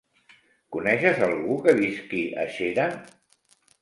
Coneixes algú que visqui a Xera?